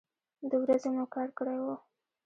د ورځې مو کار کړی و.